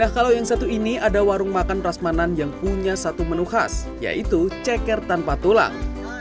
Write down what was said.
nah kalau yang satu ini ada warung makan rasmanan yang punya satu menu khas yaitu ceker tanpa tulang